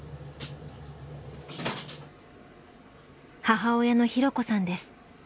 母親の弘子さんです。